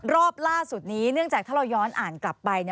รอบล่าสุดนี้เนื่องจากถ้าเราย้อนอ่านกลับไป